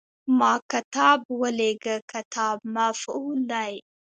ما کتاب ولېږه – "کتاب" مفعول دی.